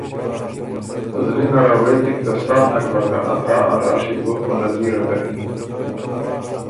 زلی نره غوېکِن که سا نک بۀ که ا تا ا راڒی کوک په نظیره کوِن۔